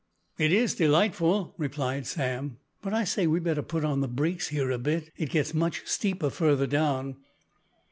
"It is delightful," replied Sam, "but, I say, we better put on the brakes here a bit. It gets much steeper further down."